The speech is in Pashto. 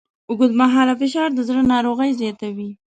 اوږدمهاله فشار د زړه ناروغۍ زیاتوي.